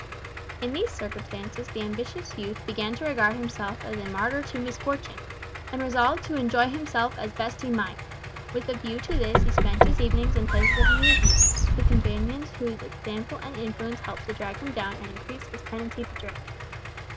In these circumstances the ambitious youth began to regard himself as a martyr to misfortune, and resolved to enjoy himself as he best might. With a view to this he spent his evenings in places of amusement, with companions whose example and influence helped to drag him down and increase his tendency to drink.